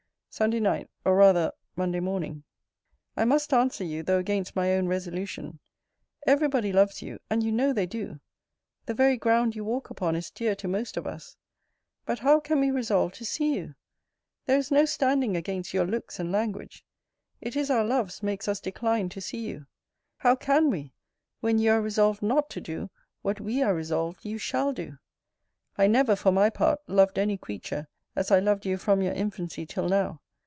SUNDAY NIGHT, OR RATHER MINDAY MORNING. I must answer you, though against my own resolution. Every body loves you; and you know they do. The very ground you walk upon is dear to most of us. But how can we resolve to see you? There is no standing against your looks and language. It is our loves makes us decline to see you. How can we, when you are resolved not to do what we are resolved you shall do? I never, for my part, loved any creature, as I loved you from your infancy till now.